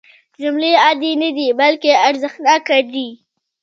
جملې عادي نه دي بلکې ارزښتناکې دي.